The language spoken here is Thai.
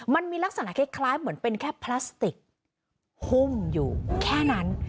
มันมีลักษณะคล้ายเหมือนเป็นแค่พลาสติกหุ้มอยู่แค่นั้น